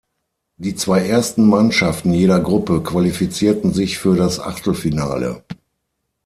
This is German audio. Die zwei ersten Mannschaften jeder Gruppe qualifizierten sich für das Achtelfinale.